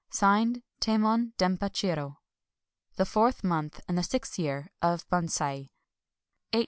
[Signed] Tamon Dempachiro. The Fourth Month and the Sixth Tear of Bunsei .